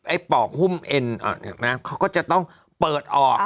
ปอกหุ้มเอ็นเขาก็จะต้องเปิดออก